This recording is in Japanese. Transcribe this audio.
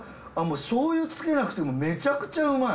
醤油つけなくてもめちゃくちゃうまい。